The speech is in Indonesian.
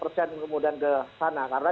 kemudian ke sana karena